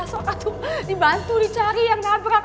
soalnya tuh dibantu dicari yang nabrak